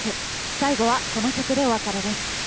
最後はこの曲でお別れです。